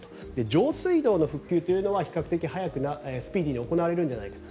上水道の復旧というのは比較的早くスピーディーに行われるんじゃないかと。